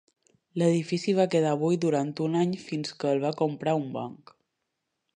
L'edifici va quedar buit durant un any fins que el va comprar un banc.